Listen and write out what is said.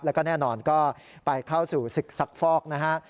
แล้วก็แน่นอนก็ไปเข้าสู่ศึกซักฟอกนะฮะ